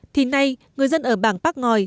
thì nay người dân ở bản bắc ngòi